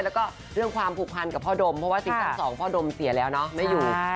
แล้วก็เรื่องความผูกพันกับพ่อดมเพราะว่า๑๓๒พ่อดมเสียแล้วเนาะไม่อยู่